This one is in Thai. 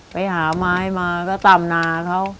ไปหาไม้มาก็ต่ำนาเขา